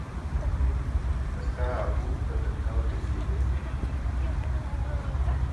Està apunt de tancar la biblioteca.